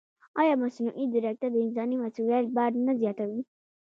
ایا مصنوعي ځیرکتیا د انساني مسؤلیت بار نه زیاتوي؟